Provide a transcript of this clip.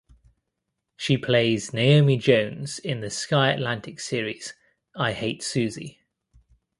She plays Naomi Jones in the Sky Atlantic series "I Hate Suzie".